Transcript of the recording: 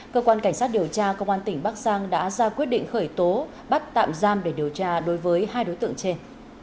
cơ quan cảnh sát điều tra công an tỉnh bắc giang đã ra quyết định khởi tố bắt tạm giam để điều tra đối với hai đối tượng trên